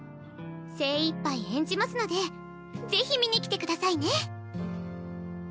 精いっぱい演じますので是非見に来て下さいね。